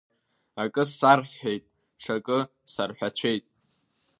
Акы сарҳәҳәеит, ҽакы сарҳәацәеит.